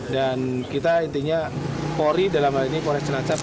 dan kita intinya polri dalam hal ini polres celancar